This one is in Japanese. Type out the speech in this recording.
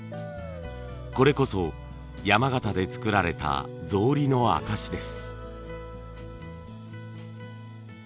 これこそ山形で作られた草履の証しです。